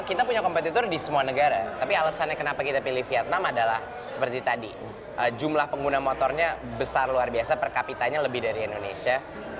kita punya kompetitor di semua negara tapi alasannya kenapa kita pilih vietnam adalah seperti tadi jumlah pengguna motornya besar luar biasa per kapitanya lebih dari indonesia